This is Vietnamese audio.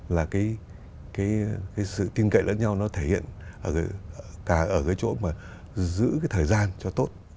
là cái sự tin cậy lẫn nhau nó thể hiện cả ở cái chỗ mà giữ cái thời gian cho tốt